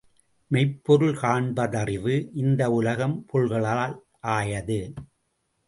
மெய்ப்பொருள் காண்பதறிவு இந்த உலகம் பொருள்களால் ஆயது.